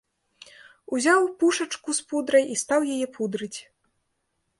Узяў пушачку з пудрай і стаў яе пудрыць.